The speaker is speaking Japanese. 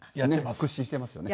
屈伸してますよね。